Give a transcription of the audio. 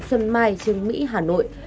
xuân mai trường mỹ hà nội